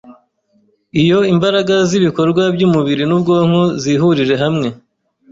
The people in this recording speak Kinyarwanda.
Iyo imbaraga z’ibikorwa by’umubiri n’ubwonko zihurije hamwe